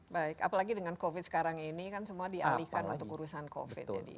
baik apalagi dengan covid sekarang ini kan semua dialihkan untuk urusan covid